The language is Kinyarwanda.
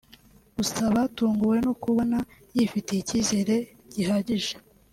gusa batunguwe no kubona yifitiye icyize gihagije